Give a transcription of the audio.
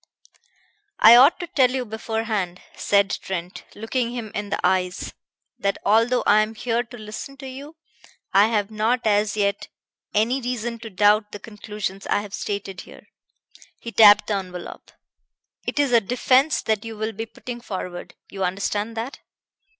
"I ought to tell you beforehand," said Trent, looking him in the eyes, "that although I am here to listen to you, I have not as yet any reason to doubt the conclusions I have stated here." He tapped the envelop. "It is a defense that you will be putting forward you understand that?"